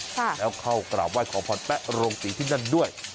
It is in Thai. แล้วเข้ากราบไหว้ขอพรแป๊ะโรงศรีที่นั่นด้วย